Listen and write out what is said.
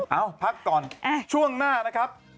เอ้าพักก่อนช่วงหน้านะครับ